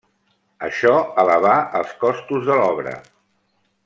Això elevà els costos de l'obra.